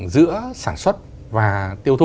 giữa sản xuất và tiêu thụ